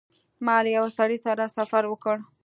ما له یوه سړي سره سفر وکړ.